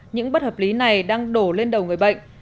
những bất hợp lý này đang đổ lên đầu người bệnh